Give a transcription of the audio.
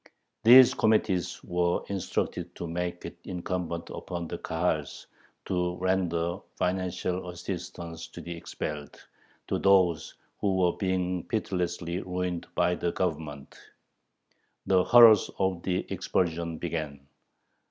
These committees were instructed to make it incumbent upon the Kahals to render financial assistance to the expelled, to those who were being pitilessly ruined by the Government. The horrors of the expulsion began.